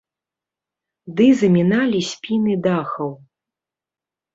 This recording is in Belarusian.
Ды заміналі спіны дахаў.